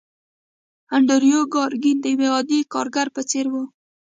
انډريو کارنګي د يوه عادي کارګر په څېر و.